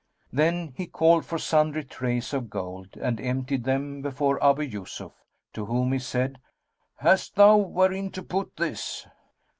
Then he called for sundry trays of gold and emptied them before Abu Yusuf, to whom he said, "Hast thou wherein to put this?"